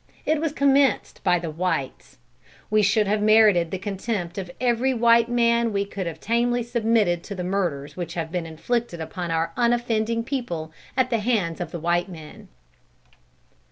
It was commenced by the whites. We should have merited the contempt of every white man could we have tamely submitted to the murders which have been inflicted upon our unoffending people at the hands of the white men."